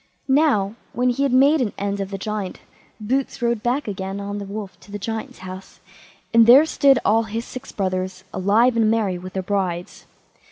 Now, when he had made an end of the Giant, Boots rode back again on the wolf to the Giant's house, and there stood all his six brothers alive and merry, with their brides.